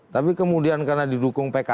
tapi kemudian karena didukung pkb